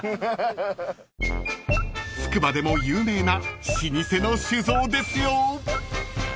［つくばでも有名な老舗の酒造ですよ］